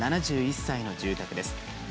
７１歳の住宅です。